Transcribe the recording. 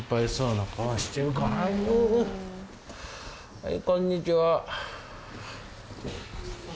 はいこんにちは。